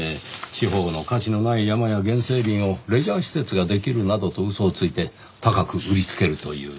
地方の価値のない山や原生林をレジャー施設ができるなどと嘘をついて高く売りつけるという。